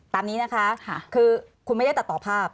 ตามนี้นะคะคือคุณไม่ได้ตัดต่อภาพ